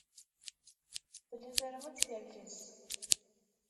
Tella tra ad skerkseɣ.